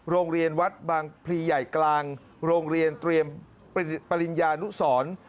โรงเรียนวัดบางพลีใหญ่กลางโรงเรียนเตรียมปริญญานุสร